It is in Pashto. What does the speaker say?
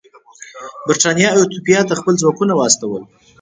برېټانیا ایتوپیا ته خپل ځواکونه واستول.